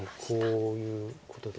こういうことです。